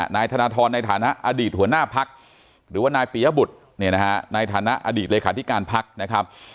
นายธนทรในฐานะอดีตหัวหน้าพักหรือว่านายปียบุตรในฐานะอดีตเลขาธิการพักนะครับ